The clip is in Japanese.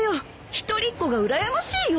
一人っ子がうらやましいよ。